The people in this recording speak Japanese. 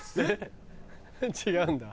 違うんだ。